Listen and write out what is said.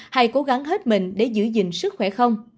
hay cố gắng hết mình để giữ gìn sức khỏe không